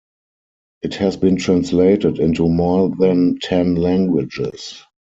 It has been translated into more than ten languages.